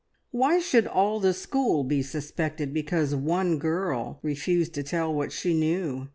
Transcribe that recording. Why should all the school be suspected because one girl refused to tell what she knew?